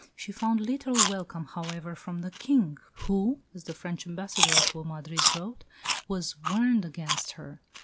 She found little welcome however from the King, who, as the French Ambassador to Madrid wrote, "was warned against her.